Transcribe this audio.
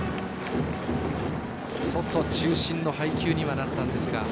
外中心の配球にはなったんですが。